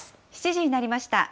７時になりました。